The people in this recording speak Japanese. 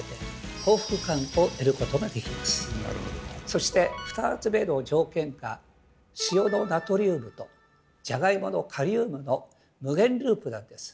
そして２つ目の条件が塩のナトリウムとじゃがいものカリウムの無限ループなんです。